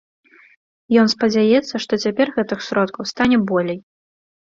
Ён спадзяецца, што цяпер гэтых сродкаў стане болей.